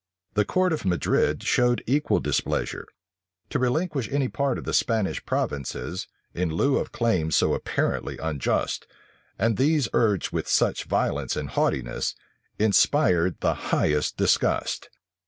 The court of Madrid showed equal displeasure. To relinquish any part of the Spanish provinces, in lieu of claims so apparently unjust, and these urged with such violence and haughtiness, inspired the highest disgust.